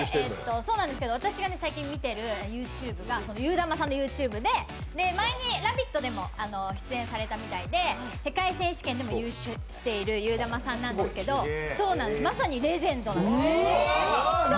私が最近見ているＹｏｕＴｕｂｅがゆーだまさんのＹｏｕＴｕｂｅで前に「ラヴィット！」でも出演されたみたいで世界選手権でも優勝しているゆーだまさんなんですけど、まさにレジェンドなんです。